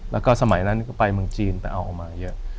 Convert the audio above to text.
แล้วก็สมัยนั้นก็ไปเมืองจีนแต่เอาออกมาเยอะ